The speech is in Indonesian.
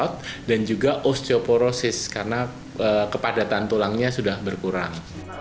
karena kepadatan tulangnya sudah berkurang